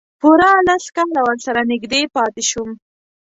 پوره لس کاله ورسره نږدې پاتې شوم.